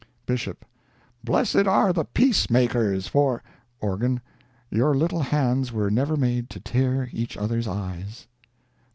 BISHOP—"Blessed are the peacemakers, for—" ORGAN—"Your little hands were never made to tear each other's eyes."